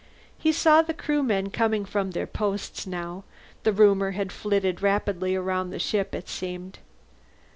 He saw the Crewmen coming from their posts now; the rumor had flitted rapidly around the ship, it seemed.